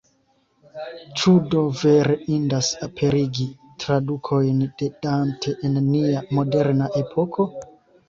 Ĉu do vere indas aperigi tradukojn de Dante en nia moderna epoko?